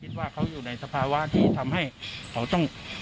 คิดว่าเขาอยู่ในสภาวะที่ทำให้เขาต้อง